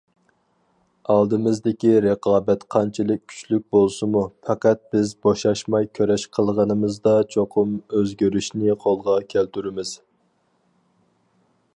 ئالدىمىزدىكى رىقابەت قانچىلىك كۈچلۈك بولسىمۇ، پەقەت بىز بوشاشماي كۈرەش قىلغىنىمىزدا چوقۇم ئۆزگىرىشنى قولغا كەلتۈرىمىز.